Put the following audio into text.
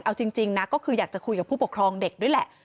เอาจริงนะก็คืออยากจะคุยกับผู้ปกครองเด็กด้วยแหละ